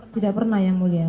tidak pernah yang mulia